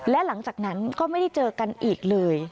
และหลังจากนั้นก็ไม่ได้เจอกันอีกเลย